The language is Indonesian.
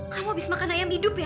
kamu habis makan ayam hidup ya